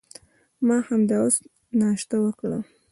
ما همدا اوس ناشته وکړه.